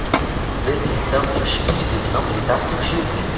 Vê-se então que o espírito do não-militar surgiu em mim.